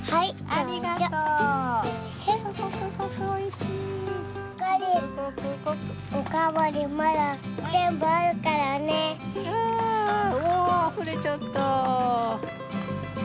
あおおあふれちゃった！